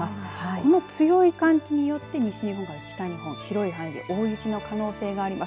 この強い寒気によって西日本から北日本広い範囲で大雪の可能性があります。